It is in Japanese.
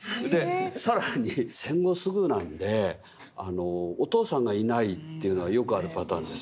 更に戦後すぐなんでお父さんがいないというのはよくあるパターンです。